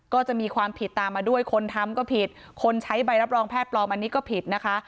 ก็จะมีความผิดตามมาด้วยคนทำก็ผิดคนใช้ใบรับรองแพทย์ปลอมอันนี้ก็ผิดนะคะ